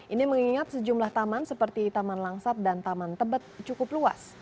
ini mengingat sejumlah taman seperti taman langsat dan taman tebet cukup luas